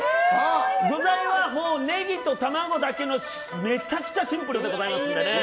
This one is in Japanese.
具材はネギと卵だけのめちゃくちゃシンプルでございますので。